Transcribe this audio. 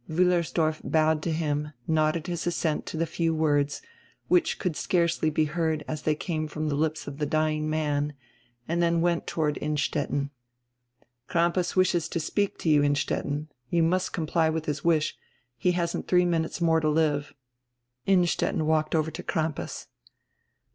Wiillersdorf bowed down to him, nodded his assent to die few words, which could scarcely be heard as they came from die lips of die dying man, and then went toward Innstetten. "Crampas wishes to speak to you, Innstetten. You must comply with his wish. He hasn't three minutes more to live." Innstetten walked over to Crampas.